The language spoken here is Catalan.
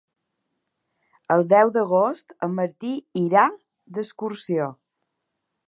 El deu d'agost en Martí irà d'excursió.